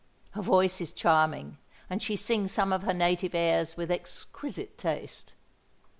Her voice is charming; and she sings some of her native airs with exquisite taste.